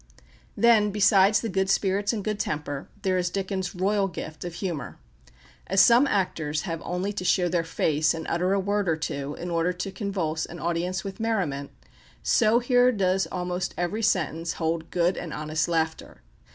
Then besides the good spirits and good temper, there is Dickens' royal gift of humour. As some actors have only to show their face and utter a word or two, in order to convulse an audience with merriment, so here does almost every sentence hold good and honest laughter.